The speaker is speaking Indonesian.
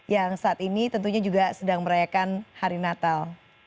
yang saat ini tentunya juga sedang merayakan hari natal